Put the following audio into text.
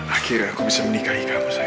akhirnya aku bisa menikahi kamu saya